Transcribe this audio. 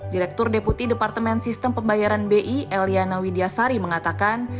direktur deputi departemen sistem pembayaran bi eliana widyasari mengatakan